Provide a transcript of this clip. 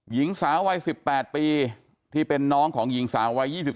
หญิงสาววัย๑๘ปีที่เป็นน้องของหญิงสาววัย๒๓